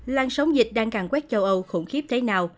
lan sóng dịch đang càng quét châu âu khủng khiếp thế nào